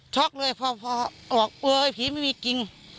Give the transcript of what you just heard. ช็อกเลยพอออกเฮ้ยผีไม่มีกิน